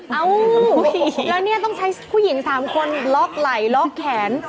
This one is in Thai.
เอ้าแล้วเนี่ยต้องใช้ผู้หญิง๓คนล็อกไหลล็อกแขน